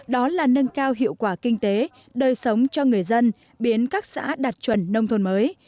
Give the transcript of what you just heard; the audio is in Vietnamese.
đó là nâng cao hiệu quả kinh tế đời sống cho người dân biến các xã đạt chuẩn nông thôn mới